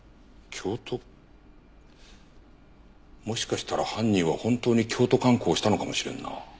もしかしたら犯人は本当に京都観光をしたのかもしれんな。